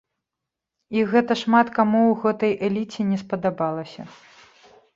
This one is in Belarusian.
І гэта шмат каму ў гэтай эліце не спадабалася.